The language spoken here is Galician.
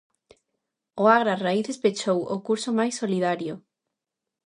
O Agra Raíces pechou o curso máis solidario.